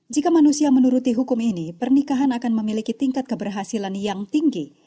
jika manusia menuruti hukum ini pernikahan akan memiliki tingkat keberhasilan yang tinggi